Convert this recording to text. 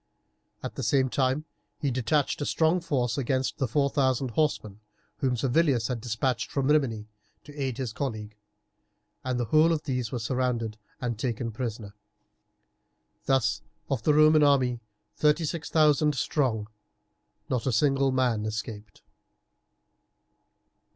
At the same time he detached a strong force against the four thousand horsemen, whom Servilius had despatched from Rimini to aid his colleague, and the whole of these were surrounded and taken prisoners. Thus of the Roman army, thirty six thousand strong, not a single man escaped.